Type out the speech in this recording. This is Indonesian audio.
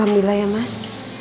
alhamdulillah ya mas